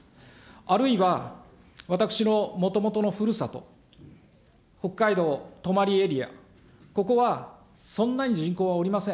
あるいは、私のもともとのふるさと、北海道泊エリア、ここはそんなに人口はおりません。